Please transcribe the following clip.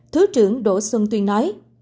thứ trưởng đỗ xuân tuyên nói